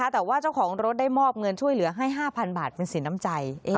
แต่ว่าเจ้าของรถได้มอบเงินช่วยเหลือให้๕๐๐บาทเป็นสินน้ำใจ